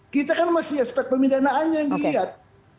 kita kan masih aspek pemidanaannya yang dilihat